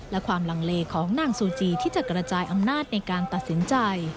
และความลังเลของนางซูจีที่จะกระจายอำนาจในการตัดสินใจ